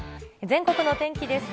全国の天気です。